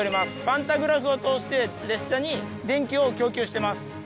パンタグラフを通して列車に電気を供給してます。